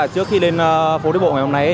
trước khi lên phố đi bộ ngày hôm nay